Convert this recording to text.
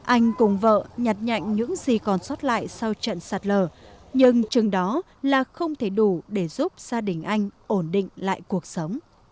anh cùng vợ nhặt nhạnh những gì còn sót lại sau trận sạt lở nhưng chừng đó là không thể đủ để giúp gia đình anh ổn định lại cuộc sống